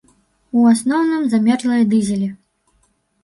У асноўным замерзлыя дызелі.